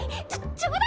⁉冗談。